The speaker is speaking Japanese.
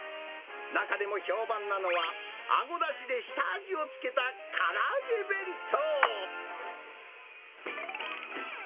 中でも評判なのは、あごだしで下味を付けたから揚げ弁当。